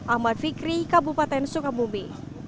ahmad fikri kabupaten sukabumi